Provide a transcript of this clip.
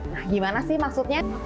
nah bagaimana maksudnya